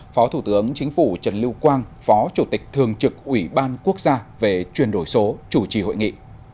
phó thủ tướng chính phủ trần lưu quang phó chủ tịch thường trực ủy ban quốc gia về chuyển đổi số chủ trì hội nghị